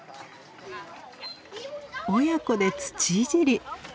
親子で土いじり。